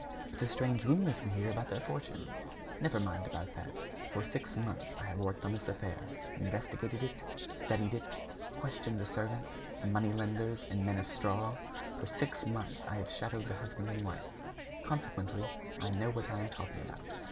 "But the strange rumors we hear about their fortune?" "Never mind about that. For six months, I have worked on this affair, investigated it, studied it, questioned the servants, the money lenders and men of straw; for six months, I have shadowed the husband and wife. Consequently, I know what I am talking about.